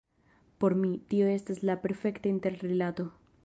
Por mi, tio estas la perfekta interrilato.